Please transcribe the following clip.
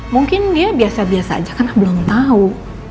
mungkin dia biasa biasa aja karena belum tahu